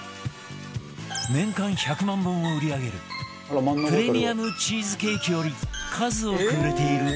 年間１００万本を売り上げるプレミアムチーズケーキより数多く売れている今